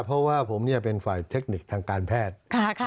เพราะว่าผมเป็นฝ่ายเทคนิคทางการแพทย์